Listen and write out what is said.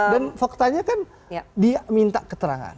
dan faktanya kan dia minta keterangan